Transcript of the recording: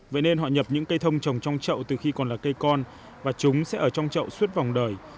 vậy nên họ nhập những cây thông trồng trong chậu từ khi còn là cây con và chúng sẽ ở trong chậu suốt vòng đời